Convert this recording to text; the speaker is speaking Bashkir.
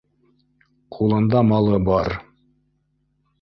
Ҡулында малы бар